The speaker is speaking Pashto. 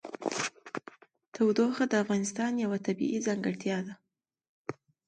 تودوخه د افغانستان یوه طبیعي ځانګړتیا ده.